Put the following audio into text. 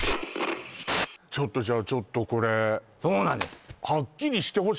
ちょっとじゃあちょっとこれそうなんです！